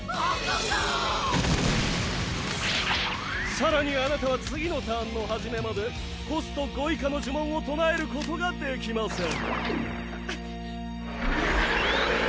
更にあなたは次のターンのはじめまでコスト５以下の呪文を唱えることができません。